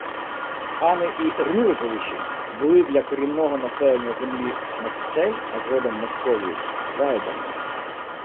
Хани і Рюриковичі були для корінного населення землі Моксель, а згодом – Московії, зайдами